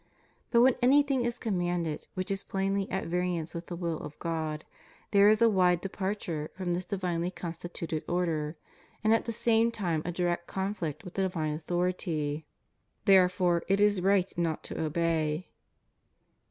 But when anything is commanded which is plainly at variance with the will of God, there is a wide departure from this divinely constituted order, and at the same time a direct conflict with divine authority ; therefore it is right not to obey.